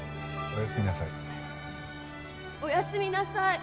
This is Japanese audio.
おやすみなさい！